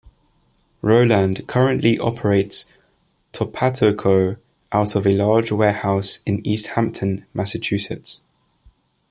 Rowland currently operates TopatoCo out of a large warehouse in Easthampton, Massachusetts.